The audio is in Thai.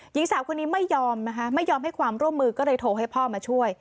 หญิงสาวคนนี้ไม่ยอมนะคะไม่ยอมให้ความร่วมมือก็เลยโทรให้พ่อมาช่วย